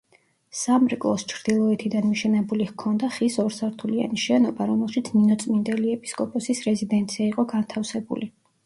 სამრეკლოს ჩრდილოეთიდან მიშენებული ჰქონდა ხის ორსართულიანი შენობა, რომელშიც ნინოწმინდელი ეპისკოპოსის რეზიდენცია იყო განთავსებული.